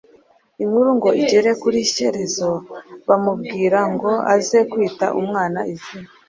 Inkuru ngo igere kuri Shyerezo, bamubwira ngo aze kwita umwana izina,